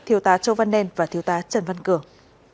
thiếu tá châu văn nen và thiếu tá trần văn cường